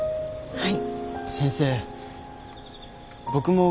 はい。